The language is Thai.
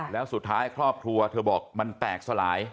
แล้วสุดท้ายครอบครัวเธอบอกมันแตกสลาย